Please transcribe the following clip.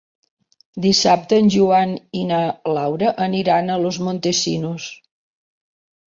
Dissabte en Joan i na Laura aniran a Los Montesinos.